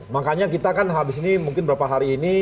makanya kita kan habis ini mungkin beberapa hari ini